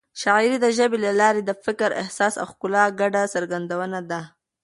شاعري د ژبې له لارې د فکر، احساس او ښکلا ګډه څرګندونه ده.